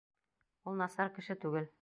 Ул насар кеше түгел.